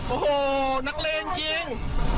โอ้โหนักเลงจริง